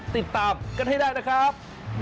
ติดตามกันให้ได้นะครับ